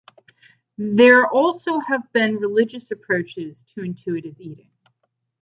There also have been religious approaches to intuitive eating.